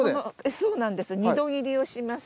そうなんです。